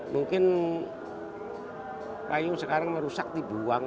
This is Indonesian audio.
mungkin payung sekarang merusak dibuang